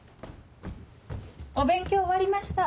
お勉強終わりました。